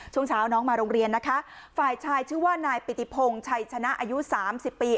ช่วงเช้าน้องมาโรงเรียนนะคะฝ่ายชายชื่อว่านายปิติพงชัยชนะอายุสามสิบปี